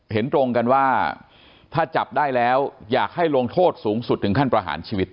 เห็นตรงกันว่าถ้าจับได้แล้วอยากให้ลงโทษสูงสุดถึงขั้นประหารชีวิต